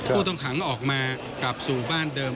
ผู้ต้องขังออกมากลับสู่บ้านเดิม